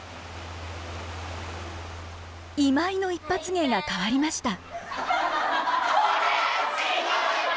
イマイの一発芸が変わりました。